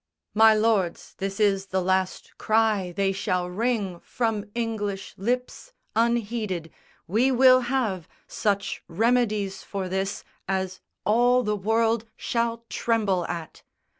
"My lords, this is the last cry they shall wring From English lips unheeded: we will have Such remedies for this as all the world Shall tremble at!"